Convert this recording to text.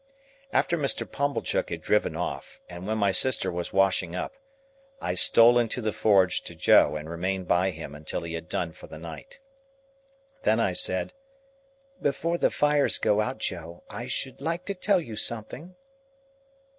After Mr. Pumblechook had driven off, and when my sister was washing up, I stole into the forge to Joe, and remained by him until he had done for the night. Then I said, "Before the fire goes out, Joe, I should like to tell you something."